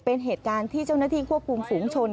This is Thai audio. เป็นเหตุการณ์ที่เจ้าหน้าที่ควบคุมฝูงชน